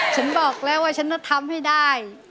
ฉันบอกแล้วว่าฉันจะทำให้ได้